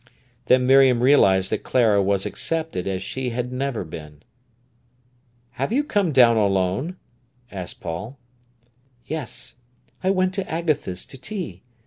Then Miriam realised that Clara was accepted as she had never been. "Have you come down alone?" asked Paul. "Yes; I went to Agatha's to tea.